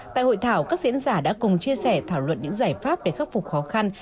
tại hội thảo các diễn giả đã cùng chia sẻ thảo luận những giải pháp để khắc phục khó khăn